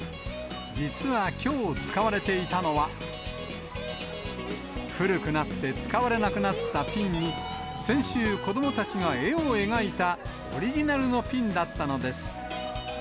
実はきょう使われていたのは、古くなって使われなくなったピンに、先週、子どもたちが絵を描いたオリジナルのピンだったのです。